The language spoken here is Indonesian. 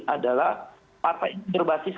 adalah partai berbasis